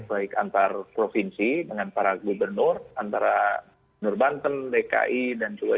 baik antar provinsi dengan para gubernur antara nur banten dki dan juga